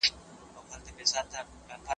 غویی په منطق نه پوهېږي